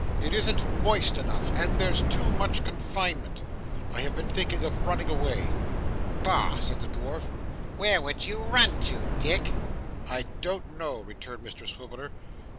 'It isn't moist enough, and there's too much confinement. I have been thinking of running away.' 'Bah!' said the dwarf. 'Where would you run to, Dick?' 'I don't know' returned Mr Swiveller.